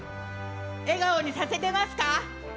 笑顔にさせてますか。